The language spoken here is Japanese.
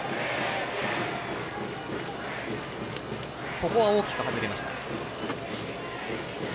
ここは大きく外れました。